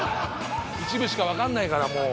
一部しか分かんないからもう。